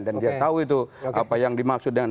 dan dia tahu itu apa yang dimaksud dengan